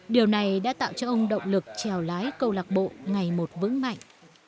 điều này đã tạo cho ông động lực trèo lái câu lạc bộ ngày một vững mạnh